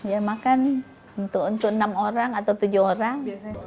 ya makan untuk enam orang atau tujuh orang